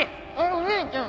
お姉ちゃん。